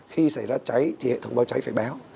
khi xảy ra cháy thì hệ thống báo cháy phải báo